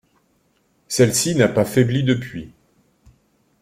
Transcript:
Celle-ci n'a pas faibli depuis.